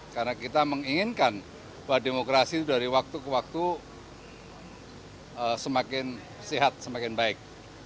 karena kita menginginkan bahwa demokrasi dari waktu ke waktu semakin sehat semakin baik